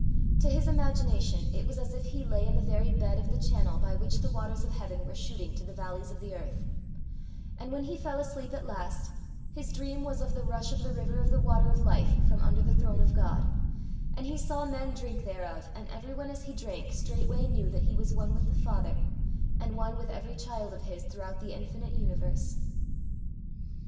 To his imagination it was as if he lay in the very bed of the channel by which the waters of heaven were shooting to the valleys of the earth; and when he fell asleep at last, his dream was of the rush of the river of the water of life from under the throne of God; and he saw men drink thereof, and everyone as he drank straightway knew that he was one with the Father, and one with every child of his throughout the infinite universe.